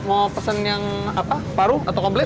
mau pesen yang apa paru atau komplit